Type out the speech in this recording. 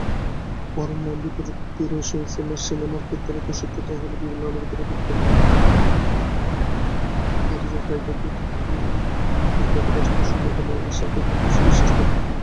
স্ত্রীর কায়েতবাড়ি কাসুন্দি বানাইয়া আসার কৈফিয়তটা সে বিশ্বাস করে না।